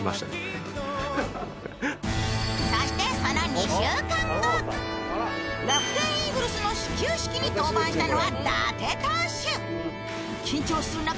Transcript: そしてその２週間後楽天イーグルスの始球式に登板したのは伊達投手緊張する中